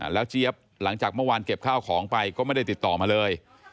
แล้วเจี๊ยบหลังจากเมื่อวานเก็บข้าวของไปก็ไม่ได้ติดต่อมาเลย